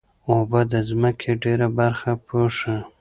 اوبه د ځمکې ډېره برخه پوښي.